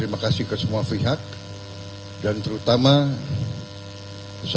sama wakil presiden terpilih